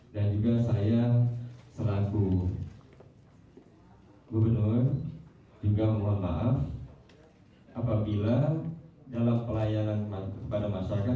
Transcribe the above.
dan juga saya selaku gubernur juga mohon maaf apabila dalam pelayanan kepada masyarakat